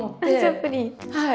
はい。